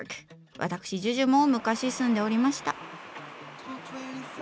わたくしＪＵＪＵも昔住んでおりました。